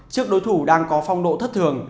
trước đối thủ đang có phong độ thất thường